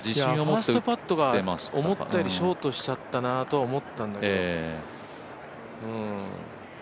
ファーストパットが思ったよりショートしちゃったなと思ったんだけど、うん。